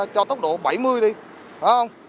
chạy tốc độ bảy mươi đi phải không